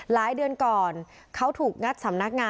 เดือนก่อนเขาถูกงัดสำนักงาน